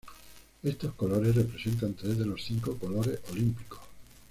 Estos colores representan tres de los cinco colores olímpicos.